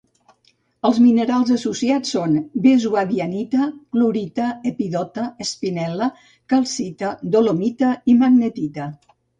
Els minerals associats són: vesuvianita, clorita, epidota, espinel·la, calcita, dolomita i magnetita.